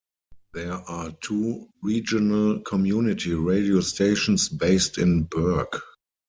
There are two regional community radio stations based in Bourke.